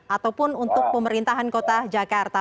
ataupun untuk pemerintahan kota jakarta